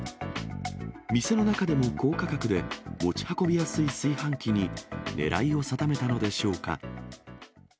店の中でも高価格で、持ち運びやすい炊飯器に狙いを定めたのでしょうか。